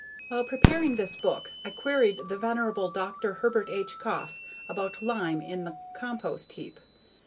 While preparing this book, I queried the venerable Dr. Herbert H. Koepf about lime in the compost heap.